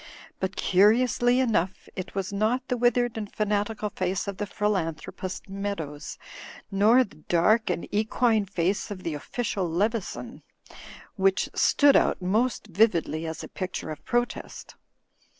But curiously enough it was not the withered and fanatical face of the philanthropist Meadows, nor the dark and equine face of the official Leveson, which stood out most viv idly as a picture of protest.